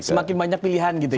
semakin banyak pilihan gitu ya